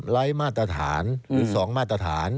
ไร้มาตรฐานหรือสองมาตรฐาน